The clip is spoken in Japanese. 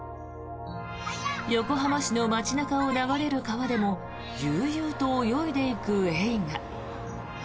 横浜市の街中を流れる川でも悠々と泳いでいくエイが。